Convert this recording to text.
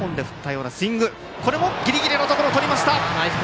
これもギリギリのところでとりました！